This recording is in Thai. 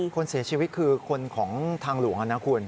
คนเสียชีวิตคือคนของทางหลวงนะคุณ